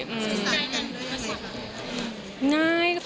สินใจยังไม่เจอ